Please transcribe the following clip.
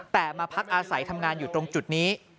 แต่มาพักอาศัยทำงานอยู่ตรงจุดนี้